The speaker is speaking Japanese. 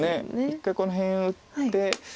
一回この辺打って。